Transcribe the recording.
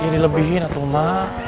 dilebihin tuh ma